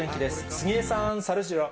杉江さん、さるジロー。